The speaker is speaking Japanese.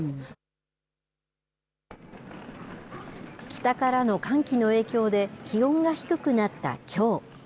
北からの寒気の影響で、気温が低くなったきょう。